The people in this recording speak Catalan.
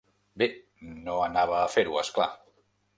Bé, no anava a fer-ho, és clar.